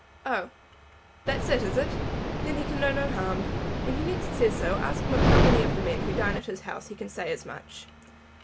"Oh; that's it, is it? Then he can know no harm. When next he says so ask him of how many of the men who dine at his house he can say as much.